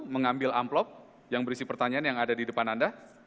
mengambil amplop yang berisi pertanyaan yang ada di depan anda